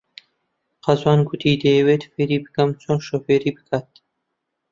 قەزوان گوتی دەیەوێت فێری بکەم چۆن شۆفێری بکات.